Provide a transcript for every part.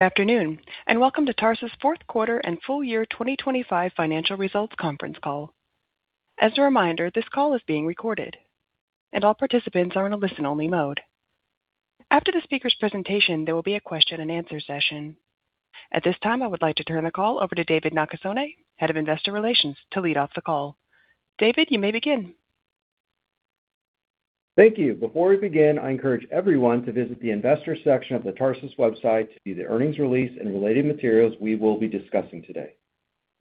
Good afternoon, and welcome to Tarsus' Fourth Quarter and Full Year 2025 Financial Results Conference Call. As a reminder, this call is being recorded, and all participants are in a listen-only mode. After the speaker's presentation, there will be a question-and-answer session. At this time, I would like to turn the call over to David Nakasone, Head of Investor Relations, to lead off the call. David, you may begin. Thank you. Before we begin, I encourage everyone to visit the investor section of the Tarsus website to view the earnings release and related materials we will be discussing today.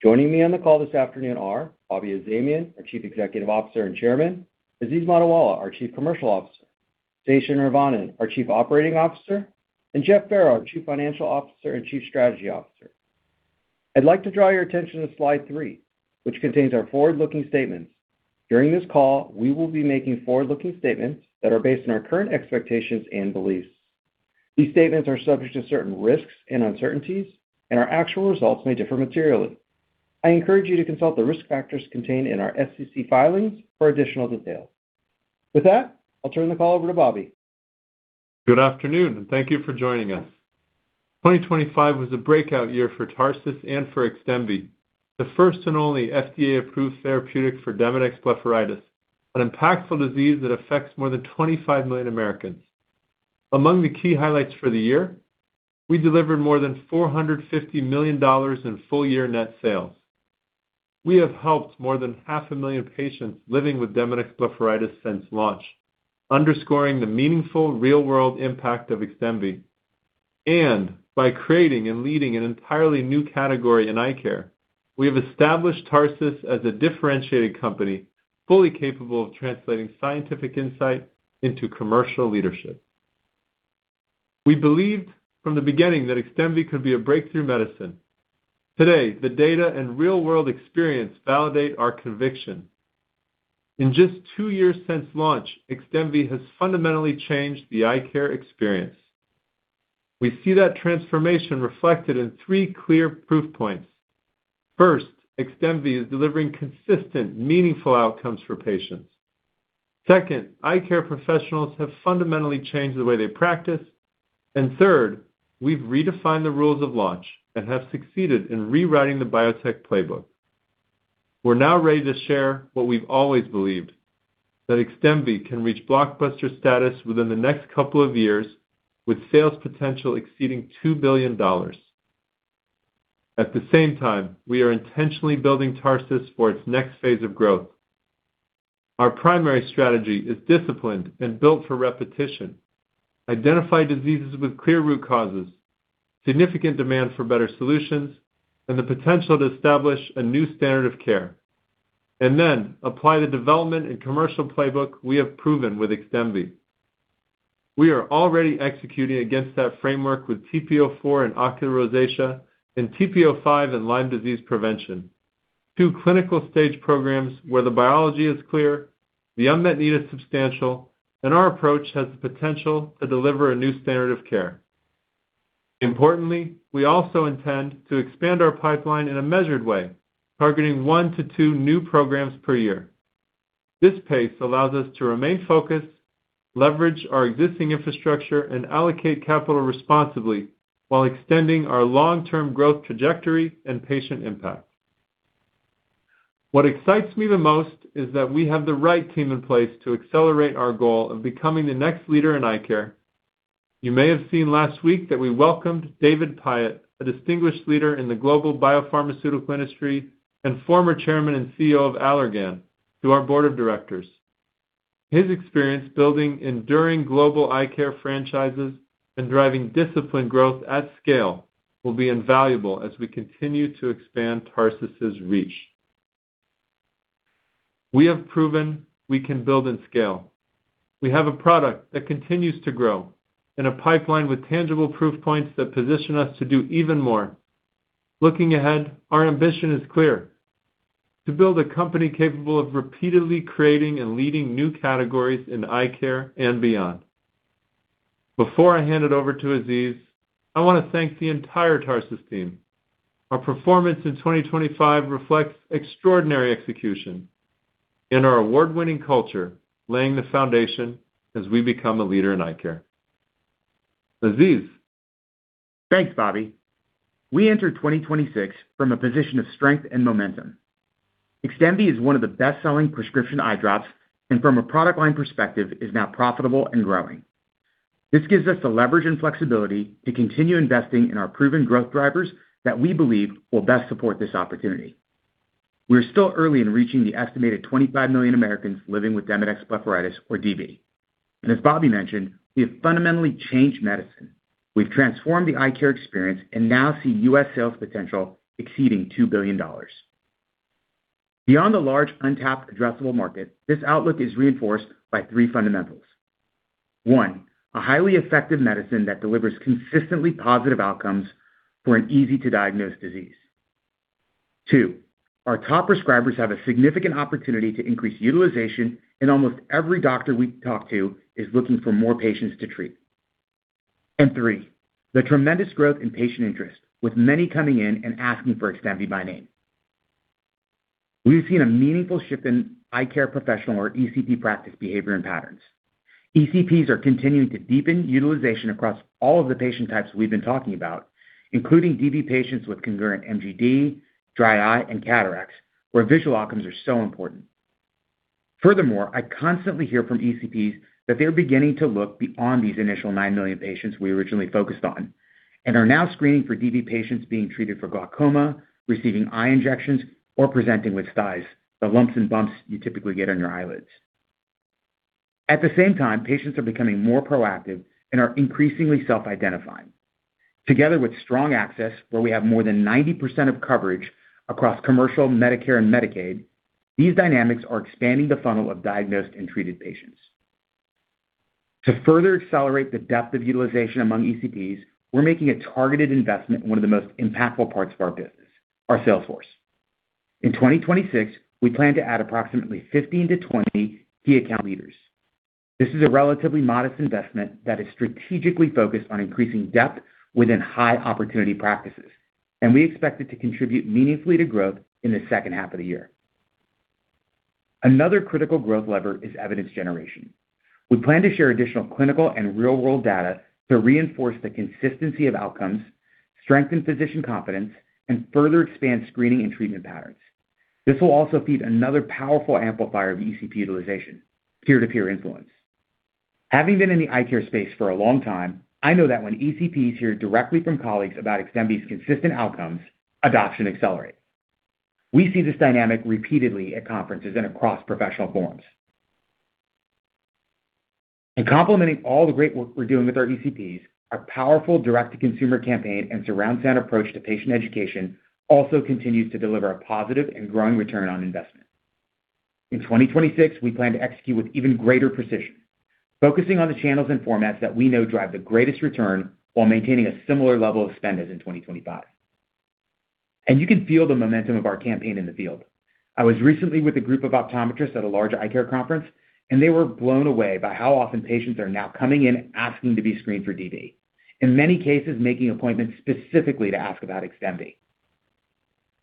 Joining me on the call this afternoon are Bobby Azamian, our Chief Executive Officer and Chairman, Aziz Mottiwala, our Chief Commercial Officer, Sesha Neervannan, our Chief Operating Officer, and Jeff Farrow, our Chief Financial Officer and Chief Strategy Officer. I'd like to draw your attention to slide three, which contains our forward-looking statements. During this call, we will be making forward-looking statements that are based on our current expectations and beliefs. These statements are subject to certain risks and uncertainties, and our actual results may differ materially. I encourage you to consult the risk factors contained in our SEC filings for additional detail. With that, I'll turn the call over to Bobby. Good afternoon, thank you for joining us. 2025 was a breakout year for Tarsus and for XDEMVY, the first and only FDA-approved therapeutic for Demodex blepharitis, an impactful disease that affects more than 25 million Americans. Among the key highlights for the year, we delivered more than $450 million in full-year net sales. We have helped more than 500,000 patients living with Demodex blepharitis since launch, underscoring the meaningful real-world impact of XDEMVY. By creating and leading an entirely new category in eye care, we have established Tarsus as a differentiated company, fully capable of translating scientific insight into commercial leadership. We believed from the beginning that XDEMVY could be a breakthrough medicine. Today, the data and real-world experience validate our conviction. In just 2 years since launch, XDEMVY has fundamentally changed the eye care experience. We see that transformation reflected in 3 clear proof points. First, XDEMVY is delivering consistent, meaningful outcomes for patients. Second, eye care professionals have fundamentally changed the way they practice. Third, we've redefined the rules of launch and have succeeded in rewriting the biotech playbook. We're now ready to share what we've always believed, that XDEMVY can reach blockbuster status within the next couple of years, with sales potential exceeding $2 billion. At the same time, we are intentionally building Tarsus for its next phase of growth. Our primary strategy is disciplined and built for repetition, identify diseases with clear root causes, significant demand for better solutions, and the potential to establish a new standard of care, and then apply the development and commercial playbook we have proven with XDEMVY. We are already executing against that framework with TP-04 in ocular rosacea and TP-05 in Lyme disease prevention. Two clinical-stage programs where the biology is clear, the unmet need is substantial, and our approach has the potential to deliver a new standard of care. Importantly, we also intend to expand our pipeline in a measured way, targeting one to two new programs per year. This pace allows us to remain focused, leverage our existing infrastructure, and allocate capital responsibly while extending our long-term growth trajectory and patient impact. What excites me the most is that we have the right team in place to accelerate our goal of becoming the next leader in eye care. You may have seen last week that we welcomed David Pyott, a distinguished leader in the global biopharmaceutical industry and former chairman and CEO of Allergan, to our board of directors. His experience building enduring global eye care franchises and driving disciplined growth at scale will be invaluable as we continue to expand Tarsus' reach. We have proven we can build and scale. We have a product that continues to grow and a pipeline with tangible proof points that position us to do even more. Looking ahead, our ambition is clear: to build a company capable of repeatedly creating and leading new categories in eye care and beyond. Before I hand it over to Aziz, I want to thank the entire Tarsus team. Our performance in 2025 reflects extraordinary execution and our award-winning culture, laying the foundation as we become a leader in eye care. Aziz? Thanks, Bobby. We enter 2026 from a position of strength and momentum. XDEMVY is one of the best-selling prescription eye drops and from a product-line perspective, is now profitable and growing. This gives us the leverage and flexibility to continue investing in our proven growth drivers that we believe will best support this opportunity. We are still early in reaching the estimated 25 million Americans living with Demodex blepharitis or DB. As Bobby mentioned, we have fundamentally changed medicine. We've transformed the eye care experience and now see US sales potential exceeding $2 billion. Beyond the large untapped addressable market, this outlook is reinforced by three fundamentals. One, a highly effective medicine that delivers consistently positive outcomes for an easy-to-diagnose disease. Two, our top prescribers have a significant opportunity to increase utilization, and almost every doctor we talk to is looking for more patients to treat. Three, the tremendous growth in patient interest, with many coming in and asking for XDEMVY by name. We've seen a meaningful shift in eye care professional or ECP practice behavior and patterns. ECPs are continuing to deepen utilization across all of the patient types we've been talking about, including DB patients with concurrent MGD, dry eye, and cataracts, where visual outcomes are so important. Furthermore, I constantly hear from ECPs that they're beginning to look beyond these initial 9 million patients we originally focused on, and are now screening for DB patients being treated for glaucoma, receiving eye injections, or presenting with styes, the lumps and bumps you typically get on your eyelids. At the same time, patients are becoming more proactive and are increasingly self-identifying. Together with strong access, where we have more than 90% of coverage across commercial Medicare and Medicaid, these dynamics are expanding the funnel of diagnosed and treated patients. To further accelerate the depth of utilization among ECPs, we're making a targeted investment in one of the most impactful parts of our business, our sales force. In 2026, we plan to add approximately 15-20 key account leaders. This is a relatively modest investment that is strategically focused on increasing depth within high opportunity practices, and we expect it to contribute meaningfully to growth in the second half of the year. Another critical growth lever is evidence generation. We plan to share additional clinical and real-world data to reinforce the consistency of outcomes, strengthen physician confidence, and further expand screening and treatment patterns. This will also feed another powerful amplifier of ECP utilization: peer-to-peer influence. Having been in the eye care space for a long time, I know that when ECPs hear directly from colleagues about XDEMVY's consistent outcomes, adoption accelerates. We see this dynamic repeatedly at conferences and across professional forums. In complementing all the great work we're doing with our ECPs, our powerful direct-to-consumer campaign and surround sound approach to patient education also continues to deliver a positive and growing return on investment. In 2026, we plan to execute with even greater precision, focusing on the channels and formats that we know drive the greatest return while maintaining a similar level of spend as in 2025. You can feel the momentum of our campaign in the field. I was recently with a group of optometrists at a large eye care conference, and they were blown away by how often patients are now coming in asking to be screened for DB, in many cases, making appointments specifically to ask about XDEMVY.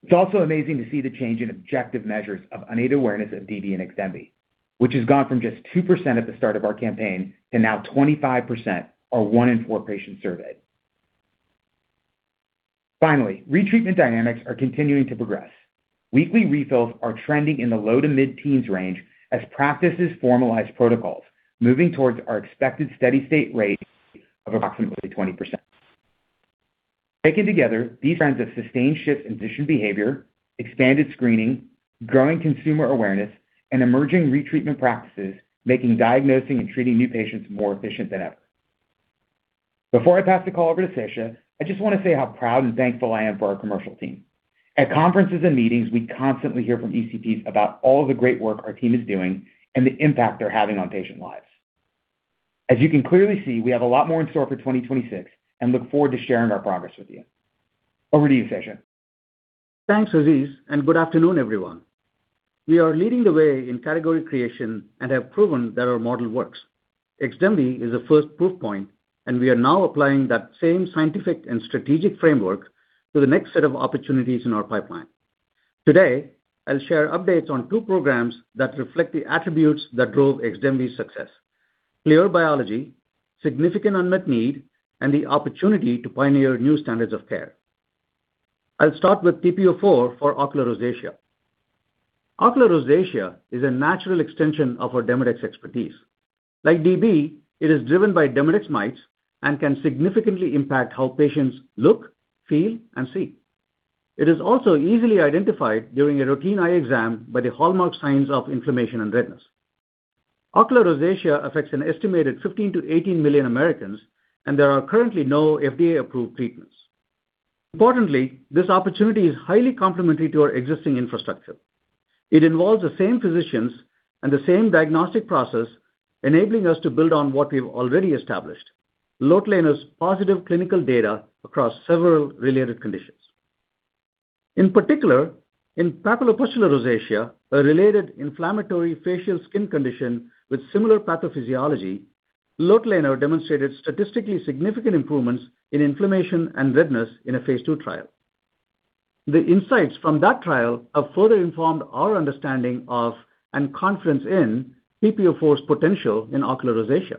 It's also amazing to see the change in objective measures of unaided awareness of DB and XDEMVY, which has gone from just 2% at the start of our campaign to now 25%, or 1 in 4 patients surveyed. Finally, retreatment dynamics are continuing to progress. Weekly refills are trending in the low to mid-teens range as practices formalize protocols, moving towards our expected steady state rate of approximately 20%. Taken together, these trends of sustained shifts in physician behavior, expanded screening, growing consumer awareness, and emerging retreatment practices, making diagnosing and treating new patients more efficient than ever. Before I pass the call over to Sesha, I just want to say how proud and thankful I am for our commercial team. At conferences and meetings, we constantly hear from ECPs about all the great work our team is doing and the impact they're having on patient lives. As you can clearly see, we have a lot more in store for 2026 and look forward to sharing our progress with you. Over to you, Sashe. Thanks, Aziz, good afternoon, everyone. We are leading the way in category creation and have proven that our model works. XDEMVY is the first proof point, we are now applying that same scientific and strategic framework to the next set of opportunities in our pipeline. Today, I'll share updates on two programs that reflect the attributes that drove XDEMVY's success: clear biology, significant unmet need, and the opportunity to pioneer new standards of care. I'll start with TP-04 for ocular rosacea. Ocular rosacea is a natural extension of our Demodex expertise. Like DB, it is driven by Demodex mites and can significantly impact how patients look, feel, and see. It is also easily identified during a routine eye exam by the hallmark signs of inflammation and redness. Ocular rosacea affects an estimated 15 million-18 million Americans, there are currently no FDA-approved treatments. Importantly, this opportunity is highly complementary to our existing infrastructure. It involves the same physicians and the same diagnostic process, enabling us to build on what we've already established, lotilaner's positive clinical data across several related conditions. In particular, in papulopustular rosacea, a related inflammatory facial skin condition with similar pathophysiology, lotilaner demonstrated statistically significant improvements in inflammation and redness in a Phase II trial. The insights from that trial have further informed our understanding of and confidence in TP-04's potential in ocular rosacea.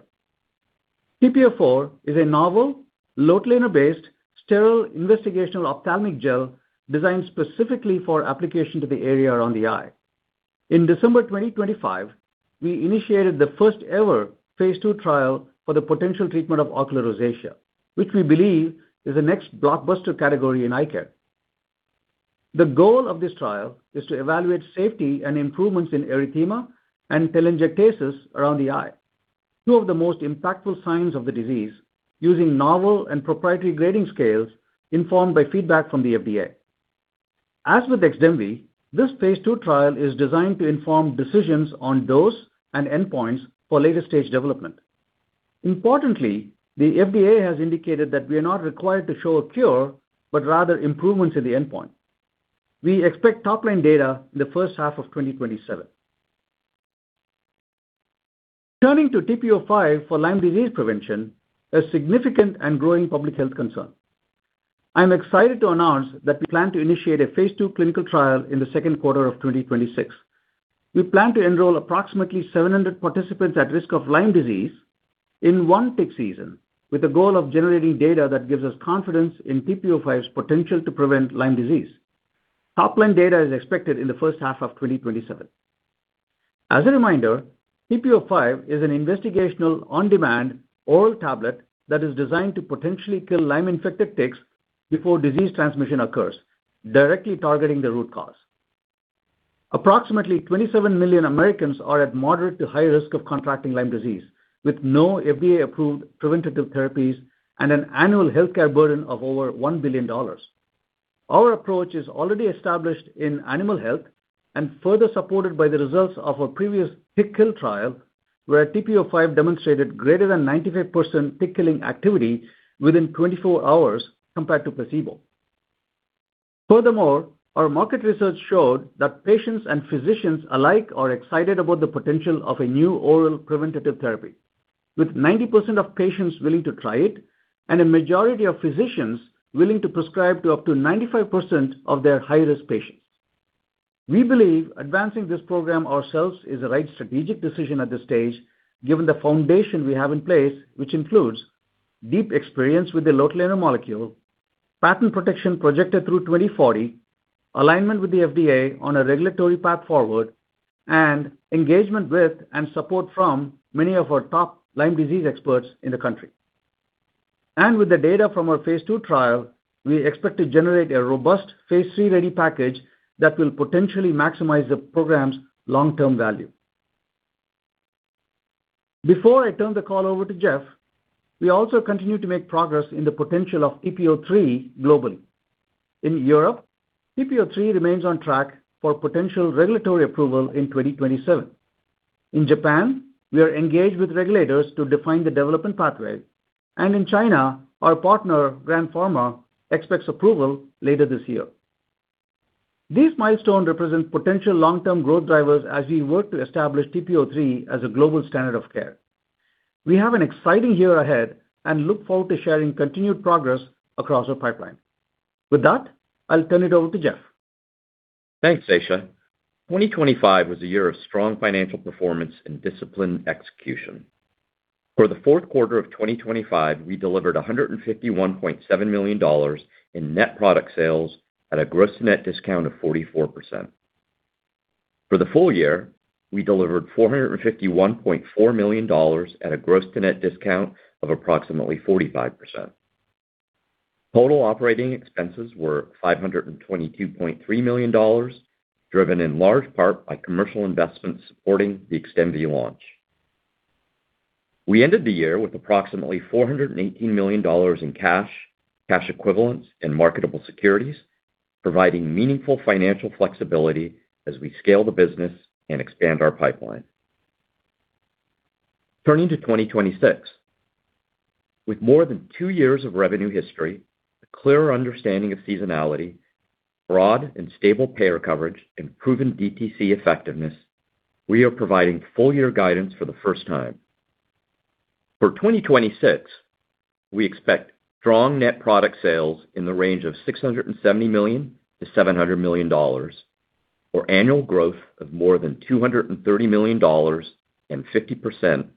TP-04 is a novel, lotilaner-based, sterile investigational ophthalmic gel designed specifically for application to the area around the eye. In December 2025, we initiated the first-ever Phase II trial for the potential treatment of ocular rosacea, which we believe is the next blockbuster category in eye care. The goal of this trial is to evaluate safety and improvements in erythema and telangiectasias around the eye, two of the most impactful signs of the disease, using novel and proprietary grading scales informed by feedback from the FDA. As with XDEMVY, this Phase II trial is designed to inform decisions on dose and endpoints for later stage development. Importantly, the FDA has indicated that we are not required to show a cure, but rather improvements in the endpoint. We expect top-line data in the first half of 2027. Turning to TP-05 for Lyme disease prevention, a significant and growing public health concern. I'm excited to announce that we plan to initiate a Phase II clinical trial in the second quarter of 2026. We plan to enroll approximately 700 participants at risk of Lyme disease in one tick season, with the goal of generating data that gives us confidence in TP-05's potential to prevent Lyme disease. Top line data is expected in the first half of 2027. As a reminder, TP-05 is an investigational, on-demand oral tablet that is designed to potentially kill Lyme-infected ticks before disease transmission occurs, directly targeting the root cause. Approximately 27 million Americans are at moderate to high risk of contracting Lyme disease, with no FDA-approved preventative therapies and an annual healthcare burden of over $1 billion. Our approach is already established in animal health and further supported by the results of a previous tick kill trial, where TP-05 demonstrated greater than 95% tick killing activity within 24 hours compared to placebo. Furthermore, our market research showed that patients and physicians alike are excited about the potential of a new oral preventative therapy, with 90% of patients willing to try it and a majority of physicians willing to prescribe to up to 95% of their high-risk patients. We believe advancing this program ourselves is the right strategic decision at this stage, given the foundation we have in place, which includes deep experience with the local molecule, patent protection projected through 2040, alignment with the FDA on a regulatory path forward, and engagement with and support from many of our top Lyme disease experts in the country. With the data from our Phase II trial, we expect to generate a robust Phase III ready package that will potentially maximize the program's long-term value. Before I turn the call over to Jeff, we also continue to make progress in the potential of TP-03 globally. In Europe, TP-03 remains on track for potential regulatory approval in 2027. In Japan, we are engaged with regulators to define the development pathway. In China, our partner, Grand Pharma, expects approval later this year. These milestones represent potential long-term growth drivers as we work to establish TP-03 as a global standard of care. We have an exciting year ahead and look forward to sharing continued progress across our pipeline. With that, I'll turn it over to Jeff. Thanks, Sashe. 2025 was a year of strong financial performance and disciplined execution. For the fourth quarter of 2025, we delivered $151.7 million in net product sales at a gross net discount of 44%. For the full year, we delivered $451.4 million at a gross to net discount of approximately 45%. Total operating expenses were $522.3 million, driven in large part by commercial investments supporting the XDEMVY launch. We ended the year with approximately $418 million in cash, cash equivalents, and marketable securities, providing meaningful financial flexibility as we scale the business and expand our pipeline. Turning to 2026. With more than two years of revenue history, a clearer understanding of seasonality, broad and stable payer coverage, and proven DTC effectiveness, we are providing full year guidance for the first time. For 2026, we expect strong net product sales in the range of $670 million-$700 million, or annual growth of more than $230 million and 50%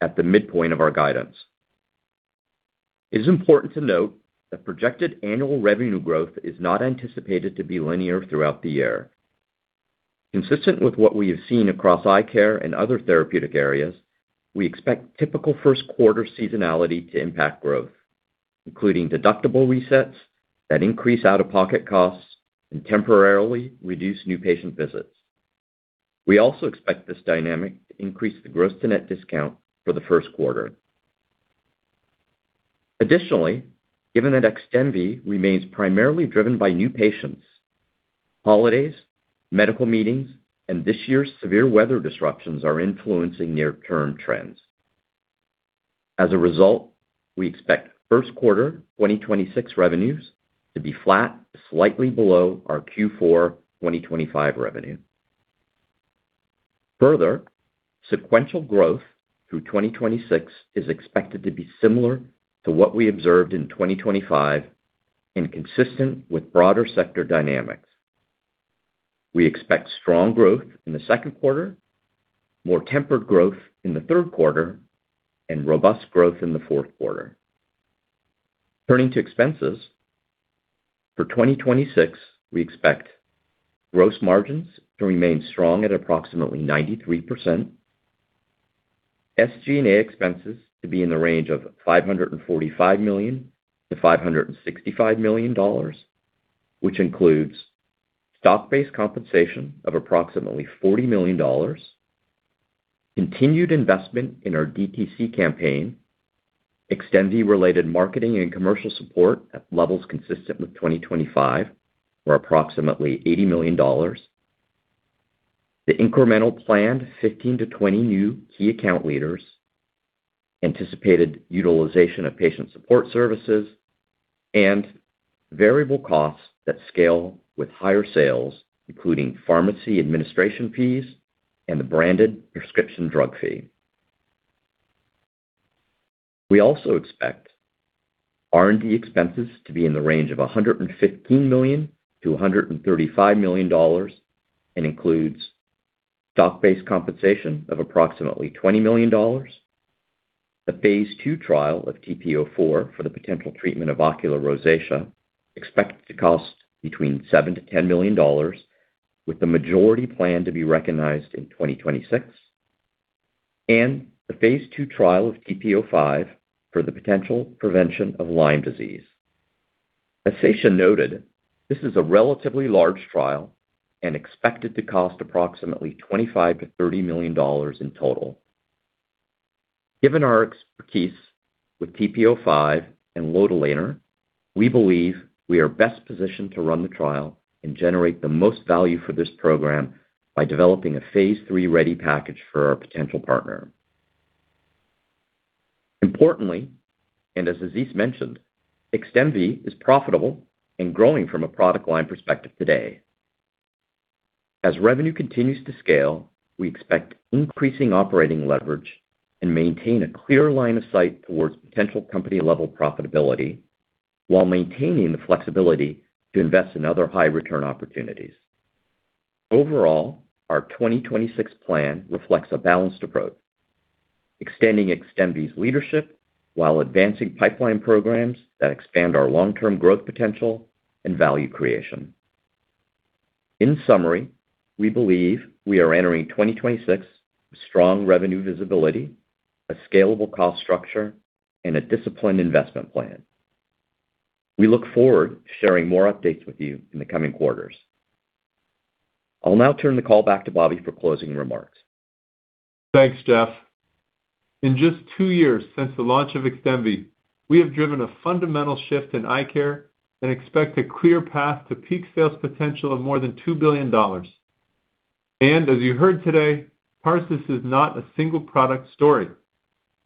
at the midpoint of our guidance. It is important to note that projected annual revenue growth is not anticipated to be linear throughout the year. Consistent with what we have seen across eye care and other therapeutic areas, we expect typical first quarter seasonality to impact growth, including deductible resets that increase out-of-pocket costs and temporarily reduce new patient visits. We also expect this dynamic to increase the gross to net discount for the first quarter. Additionally, given that XDEMVY remains primarily driven by new patients, holidays, medical meetings, and this year's severe weather disruptions are influencing near-term trends. As a result, we expect first quarter 2026 revenues to be flat to slightly below our Q4 2025 revenue. Further, sequential growth through 2026 is expected to be similar to what we observed in 2025 and consistent with broader sector dynamics. We expect strong growth in the second quarter, more tempered growth in the third quarter, and robust growth in the fourth quarter. Turning to expenses. For 2026, we expect gross margins to remain strong at approximately 93%, SG&A expenses to be in the range of $545 million-$565 million, which includes stock-based compensation of approximately $40 million, continued investment in our DTC campaign, XDEMVY related marketing and commercial support at levels consistent with 2025, or approximately $80 million. The incremental planned 15-20 new key account leaders anticipated utilization of patient support services, and variable costs that scale with higher sales, including pharmacy administration fees and the Branded Prescription Drug Fee. We also expect R&D expenses to be in the range of $115 million-$135 million, and includes stock-based compensation of approximately $20 million. The Phase II trial of TP-04 for the potential treatment of ocular rosacea, expected to cost between $7 million-$10 million, with the majority plan to be recognized in 2026, and the Phase II trial of TP-05 for the potential prevention of Lyme disease. As Sashe noted, this is a relatively large trial and expected to cost approximately $25 million-$30 million in total. Given our expertise with TP-05 and lotilaner, we believe we are best positioned to run the trial and generate the most value for this program by developing a Phase III-ready package for our potential partner. Importantly, as Aziz mentioned, XDEMVY is profitable and growing from a product line perspective today. As revenue continues to scale, we expect increasing operating leverage and maintain a clear line of sight towards potential company-level profitability, while maintaining the flexibility to invest in other high return opportunities. Overall, our 2026 plan reflects a balanced approach, extending XDEMVY's leadership while advancing pipeline programs that expand our long-term growth potential and value creation. In summary, we believe we are entering 2026 with strong revenue visibility, a scalable cost structure, and a disciplined investment plan. We look forward to sharing more updates with you in the coming quarters. I'll now turn the call back to Bobby for closing remarks. Thanks, Jeff. In just two years since the launch of XDEMVY, we have driven a fundamental shift in eye care and expect a clear path to peak sales potential of more than $2 billion. As you heard today, Tarsus is not a single product story.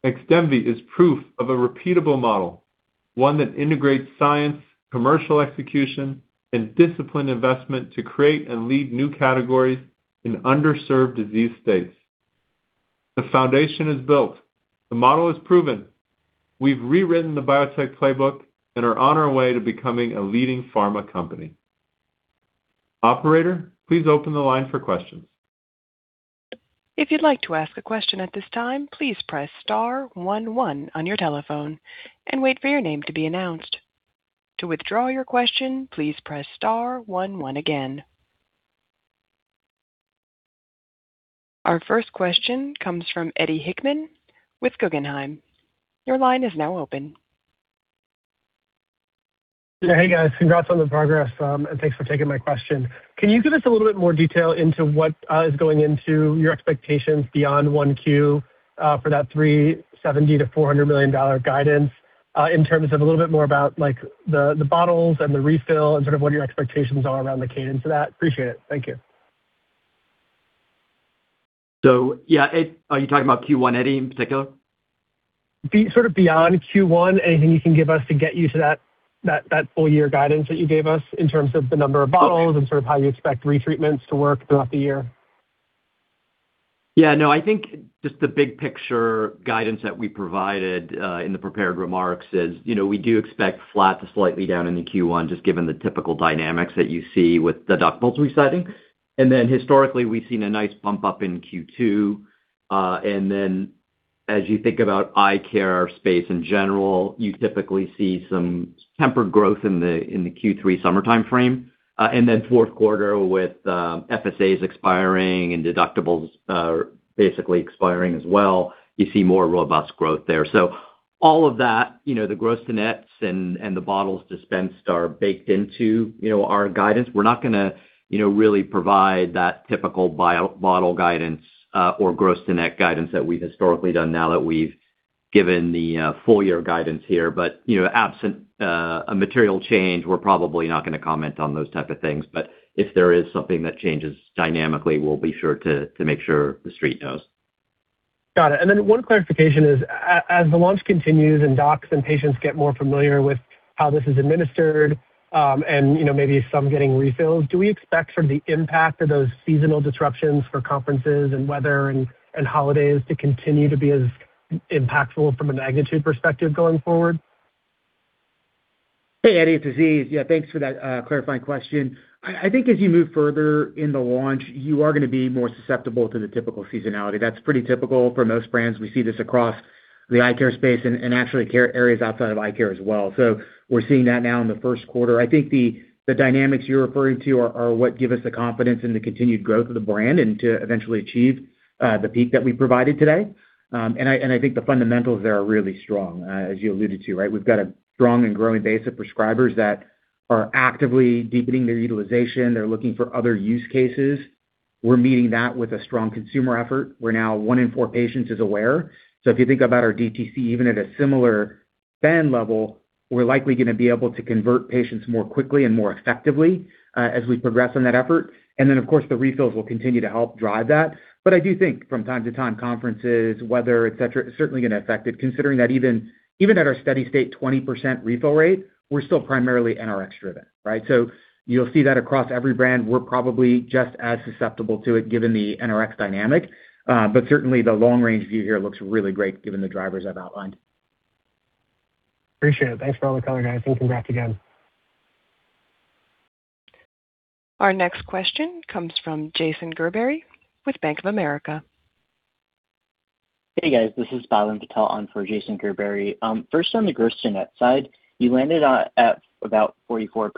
XDEMVY is proof of a repeatable model, one that integrates science, commercial execution, and disciplined investment to create and lead new categories in underserved disease states. The foundation is built. The model is proven. We've rewritten the biotech playbook and are on our way to becoming a leading pharma company. Operator, please open the line for questions. If you'd like to ask a question at this time, please press star 11 on your telephone and wait for your name to be announced. To withdraw your question, please press star 11 again. Our first question comes from Eddie Hickman with Guggenheim. Your line is now open. Hey, guys. Congrats on the progress, and thanks for taking my question. Can you give us a little bit more detail into what is going into your expectations beyond one Q for that $370 million-$400 million guidance in terms of a little bit more about, like, the, the bottles and the refill and sort of what your expectations are around the cadence of that? Appreciate it. Thank you. Yeah, Eddie, are you talking about Q1 Eddie, in particular? sort of beyond Q1, anything you can give us to get you to that full year guidance that you gave us in terms of the number of bottles and sort of how you expect retreatments to work throughout the year? Yeah, no, I think just the big picture guidance that we provided in the prepared remarks is, you know, we do expect flat to slightly down into Q1, just given the typical dynamics that you see with the deductibles resetting. Historically, we've seen a nice bump up in Q2. As you think about eye care space in general, you typically see some tempered growth in the Q3 summer timeframe. Fourth quarter with FSAs expiring and deductibles basically expiring as well, you see more robust growth there. All of that, you know, the gross to nets and the bottles dispensed are baked into, you know, our guidance. We're not gonna, you know, really provide that typical bio- bottle guidance, or gross to net guidance that we've historically done now that we've given the full year guidance here. You know, absent a material change, we're probably not gonna comment on those type of things. If there is something that changes dynamically, we'll be sure to, to make sure The Street knows. Got it. Then one clarification is, as the launch continues and docs and patients get more familiar with how this is administered, and, you know, maybe some getting refills, do we expect sort of the impact of those seasonal disruptions for conferences and weather and, and holidays to continue to be as impactful from a magnitude perspective going forward? Hey, Eddie, it's Aziz. Thanks for that, clarifying question. I, I think as you move further in the launch, you are going to be more susceptible to the typical seasonality. That's pretty typical for most brands. We see this across the eye care space and actually care areas outside of eye care as well. We're seeing that now in the first quarter. I think the, the dynamics you're referring to are, are what give us the confidence in the continued growth of the brand and to eventually achieve, the peak that we provided today. I, and I think the fundamentals there are really strong, as you alluded to, right? We've got a strong and growing base of prescribers that are actively deepening their utilization. They're looking for other use cases. We're meeting that with a strong consumer effort, where now one in four patients is aware. If you think about our DTC, even at a similar band level, we're likely going to be able to convert patients more quickly and more effectively, as we progress on that effort. Then, of course, the refills will continue to help drive that. I do think from time to time, conferences, weather, et cetera, is certainly going to affect it, considering that even at our steady state, 20% refill rate, we're still primarily NRx driven, right? You'll see that across every brand. We're probably just as susceptible to it, given the NRx dynamic. Certainly, the long-range view here looks really great given the drivers I've outlined. Appreciate it. Thanks for all the color, guys, and congrats again. Our next question comes from Jason Gerberry with Bank of America. Hey, guys, this is Pavan Patel on for Jason Gerberry. First, on the gross to net side, you landed on at about 44%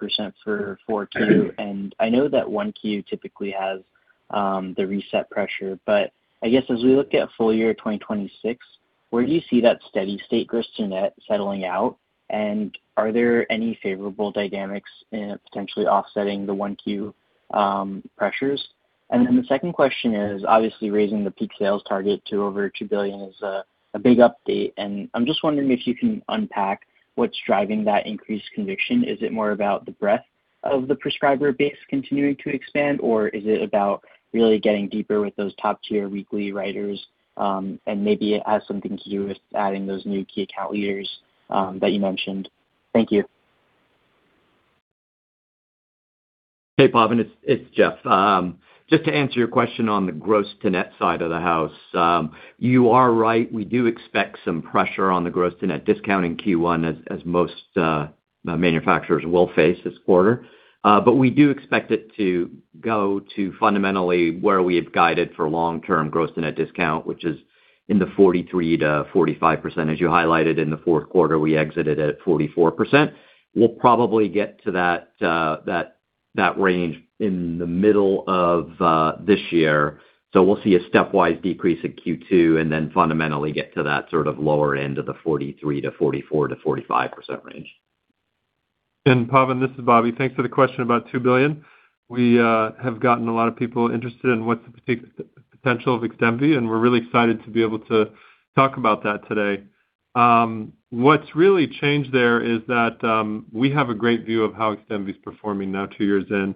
for Q4 2022, and I know that 1Q typically has the reset pressure. I guess as we look at full year 2026, where do you see that steady state gross to net settling out? Are there any favorable dynamics in potentially offsetting the 1Q pressures? The second question is, obviously raising the peak sales target to over $2 billion is a big update, and I'm just wondering if you can unpack what's driving that increased conviction. Is it more about the breadth of the prescriber base continuing to expand, or is it about really getting deeper with those top-tier weekly writers, and maybe it has something to do with adding those new key account leaders, that you mentioned? Thank you. Hey, Pavan, it's Jeff. Just to answer your question on the gross to net side of the house. You are right. We do expect some pressure on the gross to net discount in Q1 as most manufacturers will face this quarter. We do expect it to go to fundamentally where we have guided for long-term gross to net discount, which is in the 43%-45%. As you highlighted in the fourth quarter, we exited at 44%. We'll probably get to that, that, that range in the middle of this year. We'll see a stepwise decrease in Q2, and then fundamentally get to that sort of lower end of the 43%-44%-45% range. Pavan, this is Bobby. Thanks for the question about $2 billion. We have gotten a lot of people interested in what's the potential of XDEMVY, and we're really excited to be able to talk about that today. What's really changed there is that we have a great view of how XDEMVY is performing now 2 years in.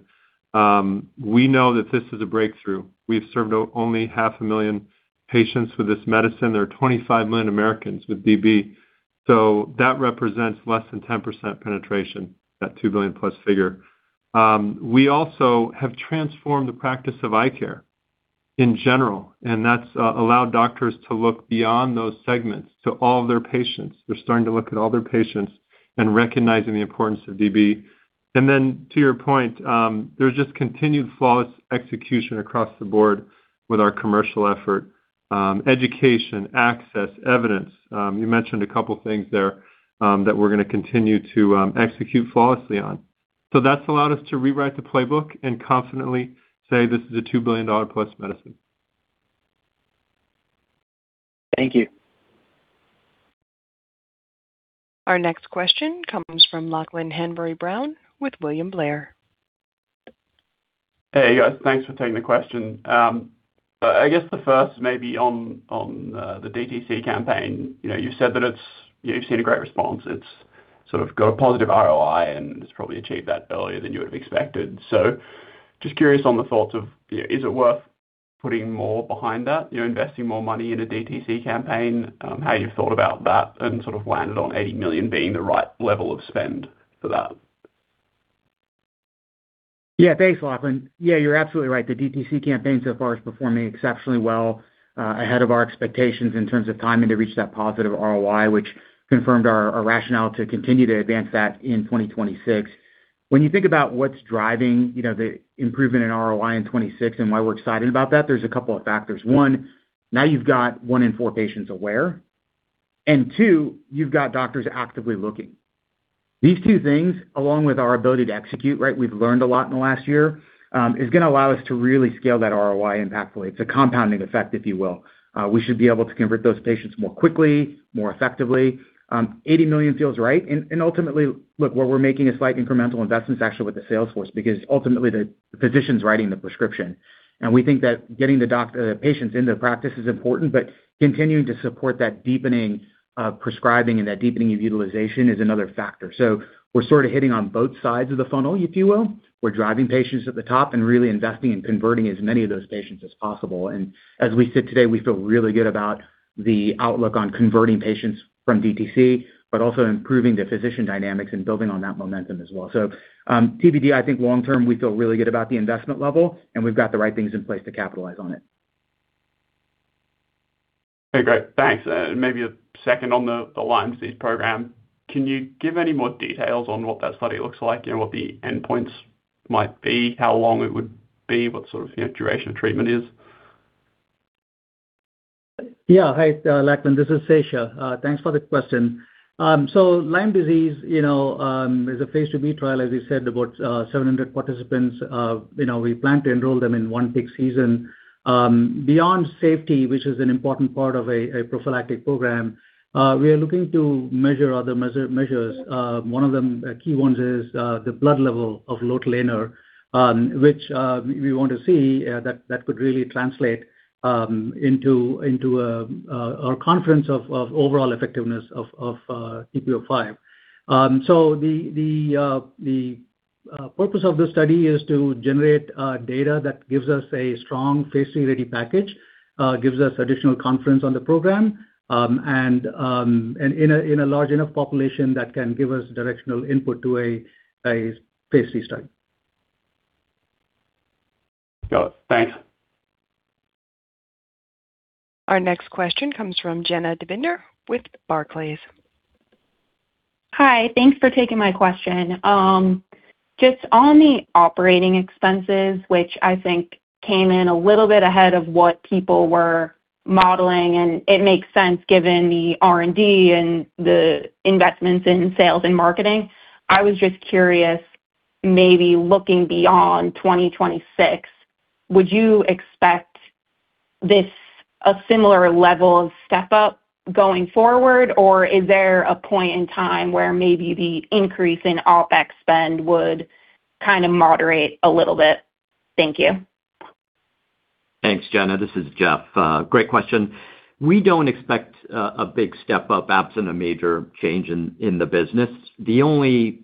We know that this is a breakthrough. We've served only 500,000 patients with this medicine. There are 25 million Americans with DB, so that represents less than 10% penetration, that $2+ billion figure. We also have transformed the practice of eye care in general, and that's allowed doctors to look beyond those segments to all their patients. They're starting to look at all their patients and recognizing the importance of DB. Then to your point, there's just continued flawless execution across the board with our commercial effort, education, access, evidence. You mentioned a couple of things there, that we're going to continue to execute flawlessly on. That's allowed us to rewrite the playbook and confidently say, this is a $2+ billion medicine. Thank you. Our next question comes from Lachlan Hanbury-Brown with William Blair. Hey, guys. Thanks for taking the question. I guess the first may be on, on the DTC campaign. You know, you've seen a great response. It's sort of got a positive ROI, and it's probably achieved that earlier than you would have expected. Just curious on the thoughts of, you know, is it worth putting more behind that, you know, investing more money in a DTC campaign, how you've thought about that and sort of landed on $80 million being the right level of spend for that? Yeah. Thanks, Lachlan. Yeah, you're absolutely right. The DTC campaign so far is performing exceptionally well, ahead of our expectations in terms of timing to reach that positive ROI, which confirmed our, our rationale to continue to advance that in 2026. When you think about what's driving, you know, the improvement in ROI in 26 and why we're excited about that, there's a couple of factors. One, now you've got 1 in 4 patients aware, and 2, you've got doctors actively looking. These 2 things, along with our ability to execute, right, we've learned a lot in the last year, is going to allow us to really scale that ROI impactfully. It's a compounding effect, if you will. We should be able to convert those patients more quickly, more effectively. $80 million feels right. Ultimately, look, where we're making a slight incremental investment is actually with the sales force, because ultimately the physician's writing the prescription. We think that getting the doctor, the patients into the practice is important, but continuing to support that deepening prescribing and that deepening of utilization is another factor. We're sort of hitting on both sides of the funnel, if you will. We're driving patients at the top and really investing in converting as many of those patients as possible. As we sit today, we feel really good about the outlook on converting patients from DTC, but also improving the physician dynamics and building on that momentum as well. TBD, I think long term, we feel really good about the investment level, and we've got the right things in place to capitalize on it. Okay, great. Thanks. Maybe a second on the, the Lyme disease program. Can you give any more details on what that study looks like and what the endpoints might be, how long it would be, what sort of, you know, duration of treatment is? Yeah. Hi, Lachlan, this is Sesha. Thanks for the question. Lyme disease, you know, is a Phase IIb trial, as you said, about 700 participants. You know, we plan to enroll them in one tick season. Beyond safety, which is an important part of a prophylactic program, we are looking to measure other measures. One of them, key ones is the blood level of lotilaner, which we want to see that, that could really translate into, into a conference of overall effectiveness of TP-05. Purpose of this study is to generate data that gives us a strong Phase III-ready package, gives us additional confidence on the program, and in a large enough population that can give us directional input to a Phase III study. Got it. Thanks. Our next question comes from Jena Davidner with Barclays. Hi, thanks for taking my question. Just on the operating expenses, which I think came in a little bit ahead of what people were modeling, and it makes sense given the R&D and the investments in sales and marketing. I was just curious, maybe looking beyond 2026, would you expect this, a similar level of step-up going forward? Or is there a point in time where maybe the increase in OpEx spend would kind of moderate a little bit? Thank you. Thanks, Jena. This is Jeff. Great question. We don't expect a big step-up absent a major change in, in the business. The only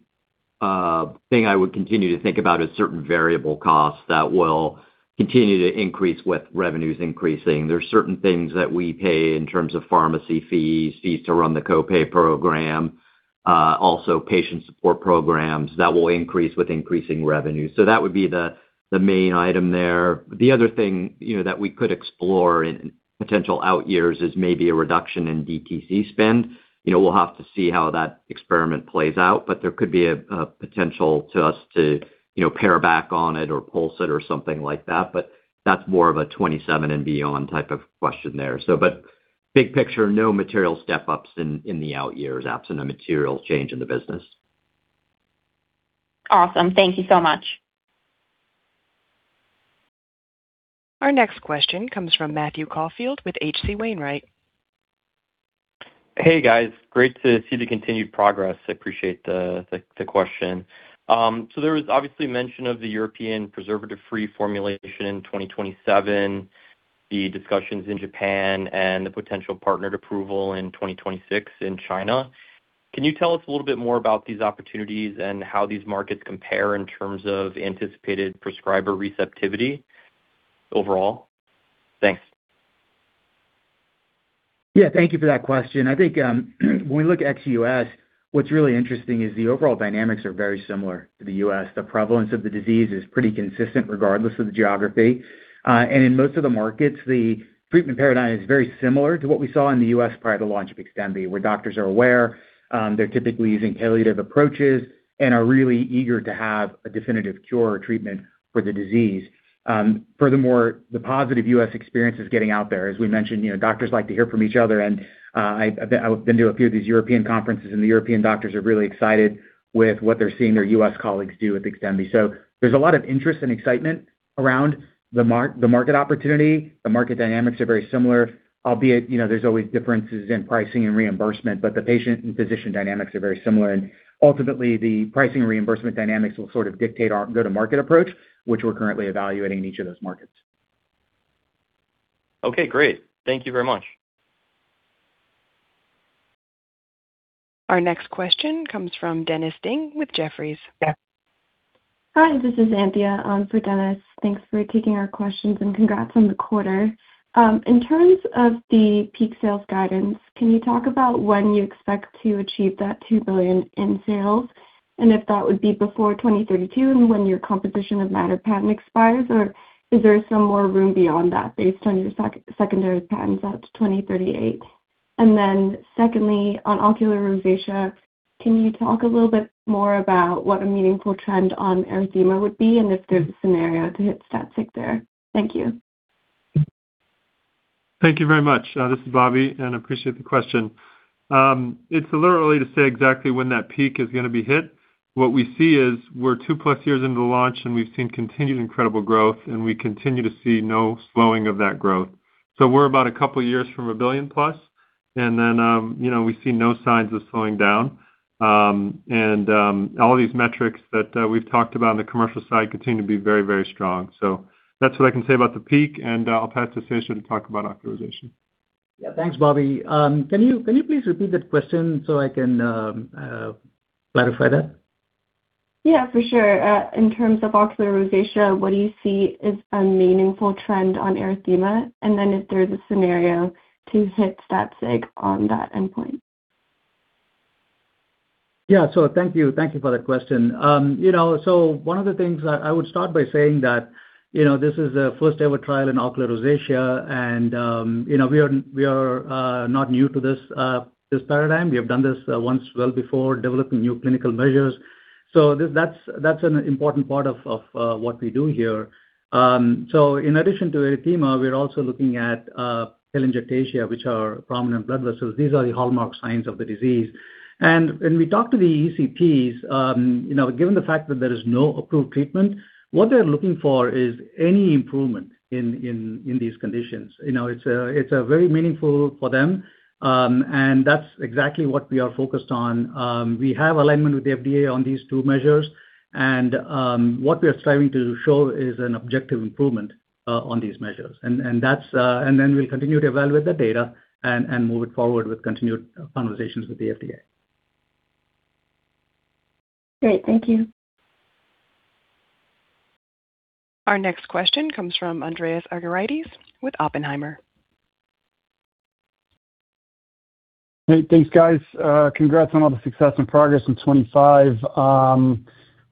thing I would continue to think about is certain variable costs that will continue to increase with revenues increasing. There are certain things that we pay in terms of pharmacy fees, fees to run the co-pay program, also patient support programs that will increase with increasing revenues. That would be the, the main item there. The other thing, you know, that we could explore in potential out years is maybe a reduction in DTC spend. You know, we'll have to see how that experiment plays out, but there could be a, a potential to us to, you know, pare back on it or pulse it or something like that, but that's more of a 2027 and beyond type of question there. Big picture, no material step-ups in the out years, absent a material change in the business. Awesome. Thank you so much. Our next question comes from Matthew Caufield with H.C. Wainwright. Hey, guys. Great to see the continued progress. I appreciate the question. There was obviously mention of the European preservative-free formulation in 2027, the discussions in Japan, and the potential partnered approval in 2026 in China. Can you tell us a little bit more about these opportunities and how these markets compare in terms of anticipated prescriber receptivity overall? Thanks. Yeah, thank you for that question. I think when we look ex-U.S., what's really interesting is the overall dynamics are very similar to the U.S. The prevalence of the disease is pretty consistent, regardless of the geography. In most of the markets, the treatment paradigm is very similar to what we saw in the U.S. prior to the launch of XDEMVY, where doctors are aware, they're typically using palliative approaches and are really eager to have a definitive cure or treatment for the disease. Furthermore, the positive U.S. experience is getting out there. As we mentioned, you know, doctors like to hear from each other, and I, I've been to a few of these European conferences, and the European doctors are really excited with what they're seeing their U.S. colleagues do with XDEMVY. There's a lot of interest and excitement around the market opportunity. The market dynamics are very similar, albeit, you know, there's always differences in pricing and reimbursement, but the patient and physician dynamics are very similar. Ultimately, the pricing and reimbursement dynamics will sort of dictate our go-to-market approach, which we're currently evaluating in each of those markets. Okay, great. Thank you very much. Our next question comes from Dennis Ding with Jefferies. Yeah. Hi, this is Anthea, for Dennis. Thanks for taking our questions, and congrats on the quarter. In terms of the peak sales guidance, can you talk about when you expect to achieve that $2 billion in sales, and if that would be before 2032 and when your composition of matter patent expires? Is there some more room beyond that based on your secondary patents out to 2038? Secondly, on ocular rosacea, can you talk a little bit more about what a meaningful trend on erythema would be and if there's a scenario to hit stat sig there? Thank you. Thank you very much. This is Bobby Azamían, and I appreciate the question. It's a little early to say exactly when that peak is gonna be hit. What we see is we're 2+ years into the launch, and we've seen continued incredible growth, and we continue to see no slowing of that growth. We're about a couple of years from a $1+ billion, and then, you know, we see no signs of slowing down. All these metrics that we've talked about on the commercial side continue to be very, very strong. That's what I can say about the peak, and I'll pass it to Sesh to talk about ocular rosacea. Yeah. Thanks, Bobby. Can you, can you please repeat that question so I can clarify that? Yeah, for sure. In terms of ocular rosacea, what do you see is a meaningful trend on erythema? Then if there's a scenario to hit stat sig on that endpoint? Yeah. Thank you, thank you for that question. You know, one of the things that I would start by saying that, you know, this is a first-ever trial in ocular rosacea, and, you know, we are, we are not new to this, this paradigm. We have done this once well before, developing new clinical measures. That's, that's an important part of, of what we do here. In addition to erythema, we're also looking at telangiectasia, which are prominent blood vessels. These are the hallmark signs of the disease. When we talk to the ECPs, you know, given the fact that there is no approved treatment, what they're looking for is any improvement in, in, in these conditions. You know, it's a, it's a very meaningful for them, and that's exactly what we are focused on. We have alignment with the FDA on these two measures, and what we are striving to show is an objective improvement on these measures. That's and then we'll continue to evaluate the data and move it forward with continued conversations with the FDA. Great. Thank you. Our next question comes from Andreas Argyrides with Oppenheimer & Co. Hey, thanks, guys. Congrats on all the success and progress in 25.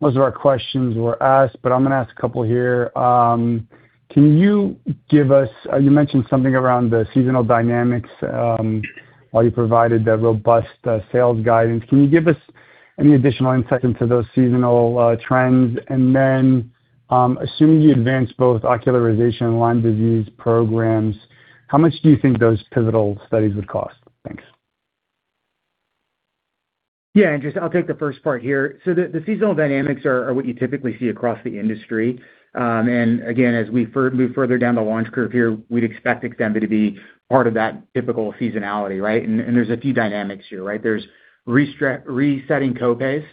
Most of our questions were asked, I'm gonna ask a couple here. Can you give us. You mentioned something around the seasonal dynamics, while you provided the robust sales guidance. Can you give us any additional insight into those seasonal trends? Then, assuming you advance both ocularization and Lyme disease programs, how much do you think those pivotal studies would cost? Thanks. Yeah, Andreas, I'll take the first part here. The seasonal dynamics are what you typically see across the industry. Again, as we move further down the launch curve here, we'd expect XDEMVY to be part of that typical seasonality, right? There's a few dynamics here, right? There's resetting co-pays.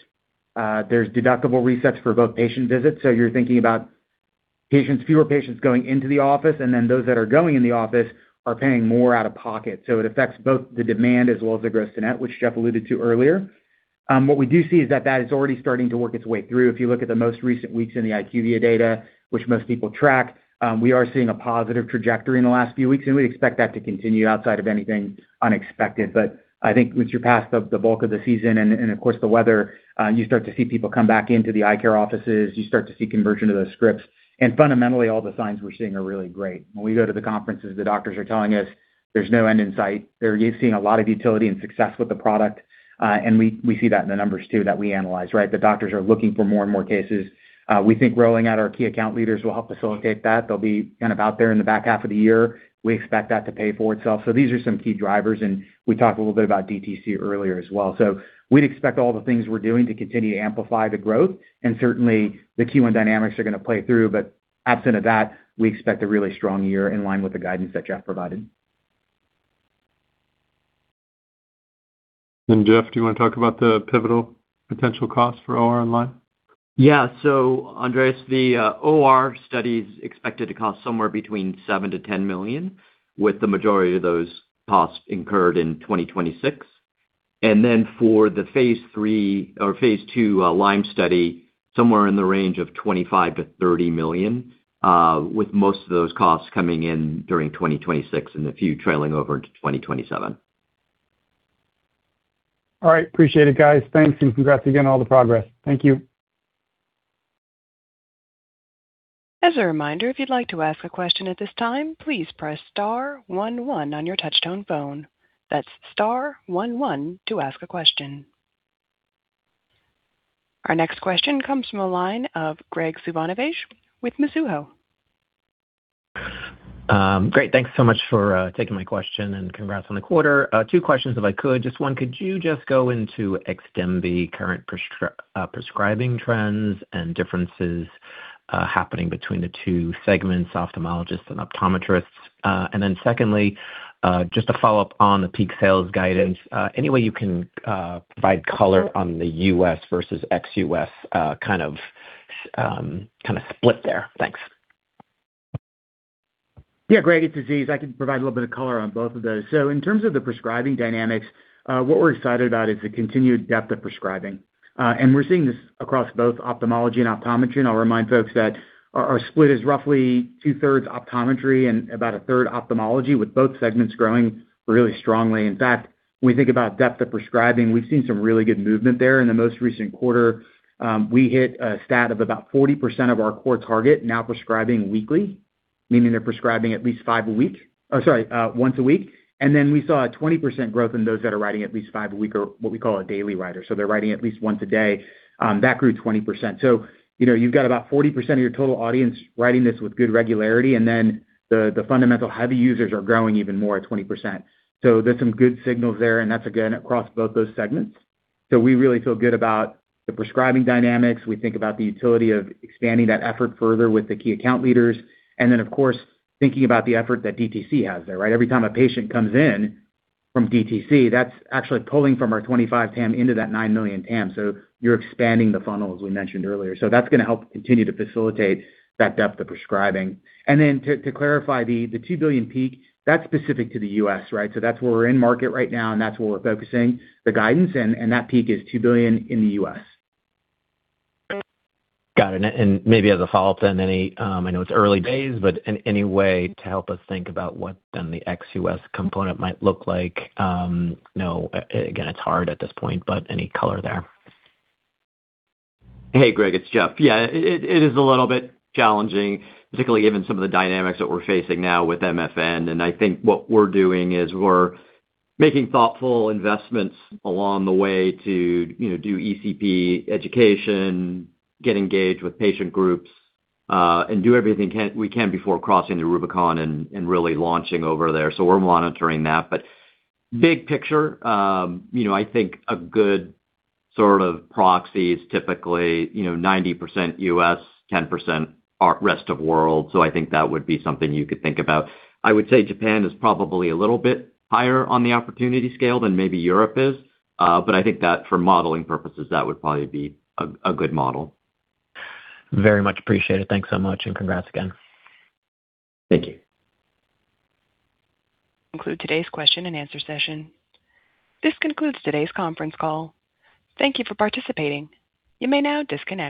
There's deductible resets for both patient visits, so you're thinking about patients, fewer patients going into the office, and then those that are going in the office are paying more out of pocket. It affects both the demand as well as the gross to net, which Jeff alluded to earlier. What we do see is that that is already starting to work its way through. If you look at the most recent weeks in the IQVIA data, which most people track, we are seeing a positive trajectory in the last few weeks, and we expect that to continue outside of anything unexpected. I think once you're past the, the bulk of the season and, of course, the weather, you start to see people come back into the eye care offices, you start to see conversion of those scripts. Fundamentally, all the signs we're seeing are really great. When we go to the conferences, the doctors are telling us there's no end in sight. They're seeing a lot of utility and success with the product, we, we see that in the numbers, too, that we analyze, right? The doctors are looking for more and more cases. We think rolling out our key account leaders will help facilitate that. They'll be kind of out there in the back half of the year. We expect that to pay for itself. These are some key drivers, and we talked a little bit about DTC earlier as well. We'd expect all the things we're doing to continue to amplify the growth, and certainly, the Q1 dynamics are gonna play through, but absent of that, we expect a really strong year in line with the guidance that Jeff provided. Jeff, do you want to talk about the pivotal potential cost for OR and Lyme? Yeah. Andreas, the OR study is expected to cost somewhere between $7 million-$10 million, with the majority of those costs incurred in 2026. For the Phase III or Phase II Lyme study, somewhere in the range of $25 million-$30 million, with most of those costs coming in during 2026 and a few trailing over into 2027. All right. Appreciate it, guys. Thanks, and congrats again on all the progress. Thank you. As a reminder, if you'd like to ask a question at this time, please press star 11 on your touchtone phone. That's star 11 to ask a question. Our next question comes from the line of Graig Suvannavejh with Mizuho. Great. Thanks so much for taking my question. Congrats on the quarter. 2 questions, if I could. Just one, could you just go into XDEMVY current prescribing trends and differences happening between the 2 segments, ophthalmologists and optometrists? Then secondly, just to follow up on the peak sales guidance, any way you can provide color on the U.S. versus ex-U.S., kind of, kind of split there? Thanks. Yeah, Graig, it's Aziz. I can provide a little bit of color on both of those. In terms of the prescribing dynamics, what we're excited about is the continued depth of prescribing. We're seeing this across both ophthalmology and optometry, and I'll remind folks that our, our split is roughly two-thirds optometry and about a third ophthalmology, with both segments growing really strongly. In fact, when we think about depth of prescribing, we've seen some really good movement there. In the most recent quarter, we hit a stat of about 40% of our core target, now prescribing weekly, meaning they're prescribing at least five a week. Oh, sorry, once a week. We saw a 20% growth in those that are writing at least five a week or what we call a daily writer They're writing at least once a day. That grew 20%. You know, you've got about 40% of your total audience writing this with good regularity, and then the, the fundamental heavy users are growing even more at 20%. There's some good signals there, and that's, again, across both those segments. We really feel good about the prescribing dynamics. We think about the utility of expanding that effort further with the key account leaders, and then, of course, thinking about the effort that DTC has there, right? Every time a patient comes in from DTC, that's actually pulling from our 25 TAM into that 9 million TAM, you're expanding the funnel, as we mentioned earlier. That's gonna help continue to facilitate that depth of prescribing. Then to, to clarify, the, the $2 billion peak, that's specific to the US, right? That's where we're in market right now, and that's where we're focusing the guidance, and, and that peak is $2 billion in the U.S. Got it. Maybe as a follow-up, then, any, I know it's early days, but any way to help us think about what then the ex-U.S. component might look like? Know, again, it's hard at this point, but any color there? Hey, Greg, it's Jeff. Yeah, it is a little bit challenging, particularly given some of the dynamics that we're facing now with MFN. I think what we're doing is we're making thoughtful investments along the way to, you know, do ECP education, get engaged with patient groups, and do everything can, we can before crossing the Rubicon and, and really launching over there. We're monitoring that. Big picture, you know, I think a good sort of proxy is typically, you know, 90% US, 10% rest of world. I think that would be something you could think about. I would say Japan is probably a little bit higher on the opportunity scale than maybe Europe is. I think that for modeling purposes, that would probably be a, a good model. Very much appreciated. Thanks so much, and congrats again. Thank you. Conclude today's question and answer session. This concludes today's conference call. Thank you for participating. You may now disconnect.